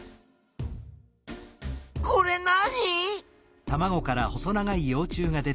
これ何？